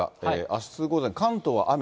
あす午前、関東は雨。